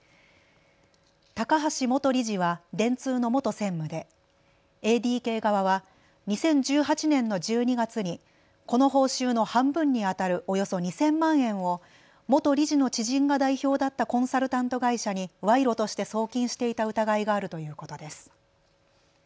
高橋元理事は電通の元専務でＡＤＫ側は２０１８年の１２月にこの報酬の半分にあたるおよそ２０００万円を元理事の知人が代表だったコンサルタント会社に賄賂として送金していた疑いがあるということです。